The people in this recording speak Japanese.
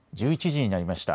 １１時になりました。